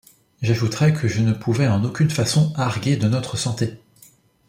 J’ajouterai que je ne pouvais en aucune façon arguer de notre santé.